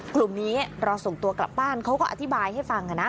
กลุ่มนี้รอส่งตัวกลับบ้านเขาก็อธิบายให้ฟังนะ